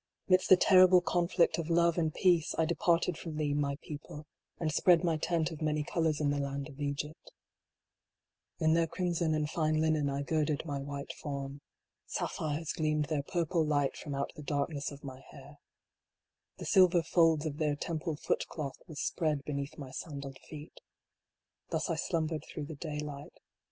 Midst the terrible conflict of Love and Peace, I de parted from thee, my people, and spread my tent of many colors in the land of Egypt In their crimson and fine linen I girded my white form. Sapphires gleamed their purple light from out the dark ness of my hair. The silver folds of their temple foot cloth was spread beneath my sandaled feet. Thus I slumbered through the daylight.